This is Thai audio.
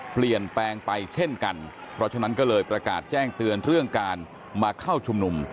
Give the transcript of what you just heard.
เปลี่ยนแปลงไปเช่นกันเพราะฉะนั้นก็เลยประกาศแจ้งเตือนเรื่องการมาเข้าชุมนุม